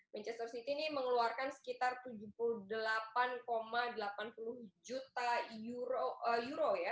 manchester city ini mengeluarkan sekitar tujuh puluh delapan delapan puluh juta euro ya